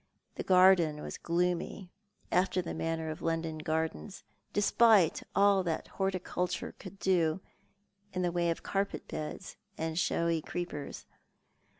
The garden was gloomy, after the manner of London gardens, despite all that horticulture could do in the way of carpet beds and showy creepers.